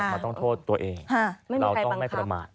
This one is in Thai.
มันต้องโทษตัวเองเราต้องไม่ประมาท